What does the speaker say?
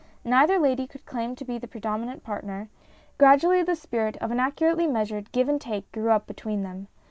Neither lady could claim to be the predominant partner ; gradually the spirit of an accurately measured give and take grew up between them.